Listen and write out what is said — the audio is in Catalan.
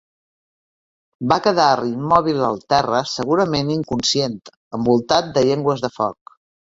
Va quedar immòbil al terra, segurament inconscient, envoltat de llengües de foc.